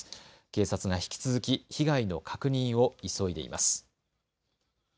警察が引き続き被害の確認を急いでいます。